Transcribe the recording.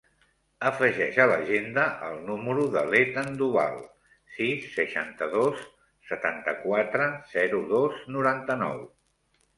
Afegeix a l'agenda el número de l'Ethan Duval: sis, seixanta-dos, setanta-quatre, zero, dos, noranta-nou.